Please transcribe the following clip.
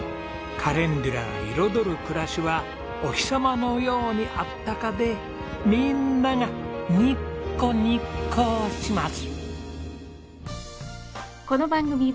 カレンデュラが彩る暮らしはお日様のようにあったかでみんながニッコニッコします！